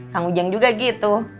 kamu jangan juga gitu